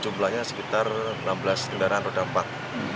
jumlahnya sekitar enam belas kendaraan roda empat